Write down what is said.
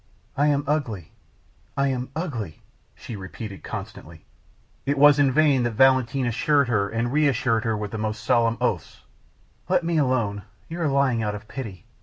"I am ugly I am ugly," she repeated constantly. It was in vain that Valentin assured and reassured her with the most solemn oaths. "Let me alone; you are lying out of pity.